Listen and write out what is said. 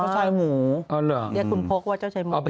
กันมาเถอะเนอะ